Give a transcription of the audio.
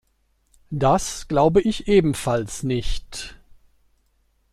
Das glaube ich ebenfalls nicht.